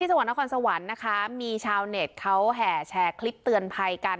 จังหวัดนครสวรรค์นะคะมีชาวเน็ตเขาแห่แชร์คลิปเตือนภัยกัน